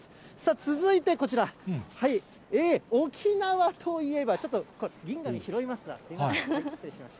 続いてこちら、沖縄といえば、ちょっと、銀紙拾いますわ、すみません。